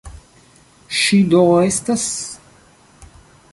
Ŝi do estas?